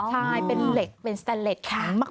ใช่เป็นเหล็กเป็นสแตนเล็ตแข็งมาก